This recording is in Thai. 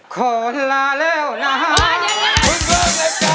ขอลาเร็วนะทุกข้อนายกา